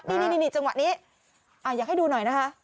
นี่นี่นี่นี่จังหวะนี้อ่าอยากให้ดูหน่อยนะคะ